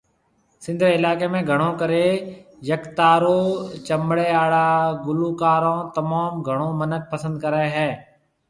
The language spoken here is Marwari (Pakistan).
سنڌ ري علاقي ۾ گھڻو ڪري يڪتارو چپڙي آڙا گلوڪارون تموم گھڻو منک پسند ڪري هي